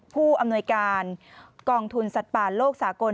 ผู้อำนวยการกองทุนสัตว์ป่าโลกสากล